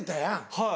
はい。